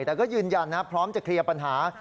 แต่ก็ยืนยันนะพร้อมจะเคลียร์ปัญหา